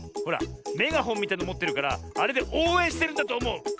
ほらメガホンみたいのもってるからあれでおうえんしてるんだとおもう！